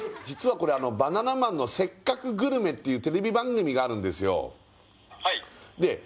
実はこれ「バナナマンのせっかくグルメ！！」っていうテレビ番組があるんですよで